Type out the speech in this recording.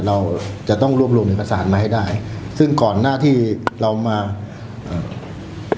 เราจะต้องรวบรวมเอกสารมาให้ได้ซึ่งก่อนหน้าที่เรามาเอ่อ